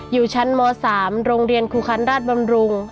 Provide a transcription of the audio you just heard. อยู่ชั้นม๓รคุคันราตบำรุง